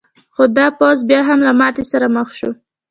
خو دا پوځ بیا هم له ماتې سره مخ شو.